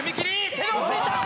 手をついた！